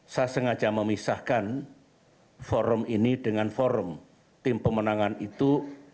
saya sengaja memisahkan forum ini dengan forum tim pemenangan itu